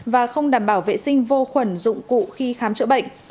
và không đảm bảo vệ sinh vô khuẩn dụng cụ khi khám chữa bệnh